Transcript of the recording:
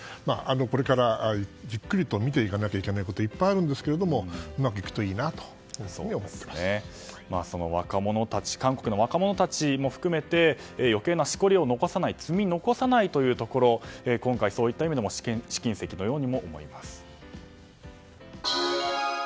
これから、じっくりと見ていかないといけないことはたくさんありますが韓国の若者たちも含めて余計なしこりを残さない積み残さないというところ今回そういった意味でも試金石のようにも思えます。